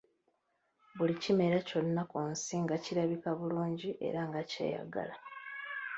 Buli kimera kyonna ku nsi nga kirabika bulungi era nga kyeyagala.